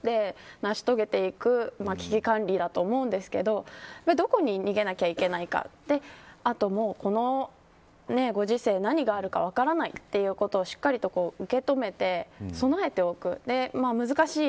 どっちもが歩み取って成し遂げていく危機管理だと思うんですけどどこに逃げなきゃいけないかってあと、このご時世何があるか分からないということをしっかりと受け止めて備えておく。